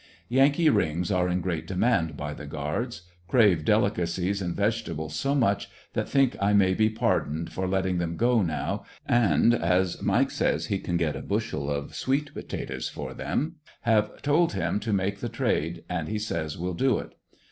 Yankee rings are in great demand by the guards; crave delicacies and vegetables so much that think I may be pardoned for letting them go now, and as Mike says he can get a bushel of sweet pota toes for them, have told him to make the trade, and he says will do it.